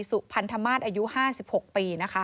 สุพันธมาสอายุ๔๖ปี